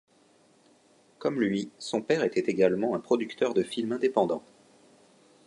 Comme lui, son père était également un producteur de film indépendant.